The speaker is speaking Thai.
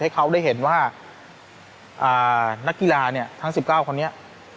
ให้เขาได้เห็นว่านักกีฬาทั้ง๑๙คนนี้